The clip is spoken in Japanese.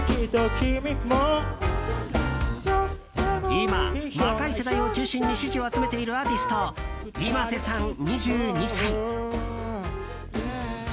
今、若い世代を中心に支持を集めているアーティストｉｍａｓｅさん、２２歳。